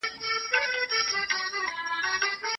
که تاسي همت وکړی پښتو به د نړۍ معيار ته ورسېږي.